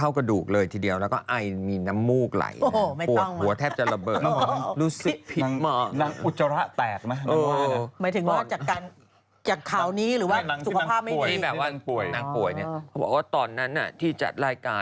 ไม่ได้ไม่พูดไม่พูดไม่พูด